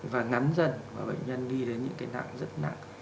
và ngắn dần và bệnh nhân đi đến những cái nặng rất nặng